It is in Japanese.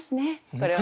これは。